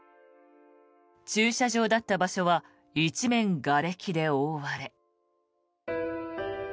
駐車場だった場所は一面がれきで覆われ。